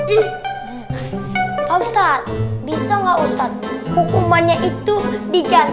pak ustaz bisa nggak ustaz hukumannya itu diganti sama hukumnya ustaz